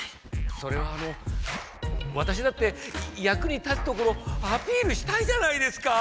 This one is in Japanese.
それはあのわたしだってやくに立つところアピールしたいじゃないですか！